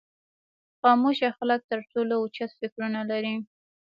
خاموشه خلک تر ټولو اوچت فکرونه لري.